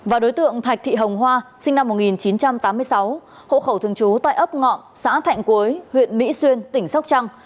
và đối tượng thạch thị hồng hoa sinh năm một nghìn chín trăm tám mươi sáu hộ khẩu thường trú tại ấp ngọng xã thạnh cuối huyện mỹ xuyên tp hcm